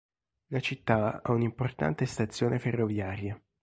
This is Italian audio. La città ha un'importante stazione ferroviaria.